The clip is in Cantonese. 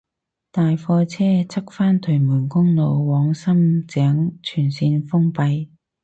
大貨車翻側屯門公路往深井全綫封閉